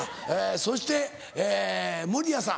そして守屋さん。